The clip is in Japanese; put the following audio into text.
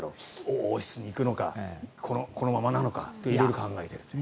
王室に行くのかこのままなのか色々考えているという。